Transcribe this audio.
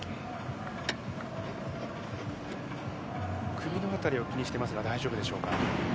首の辺りを気にしていますが大丈夫でしょうか。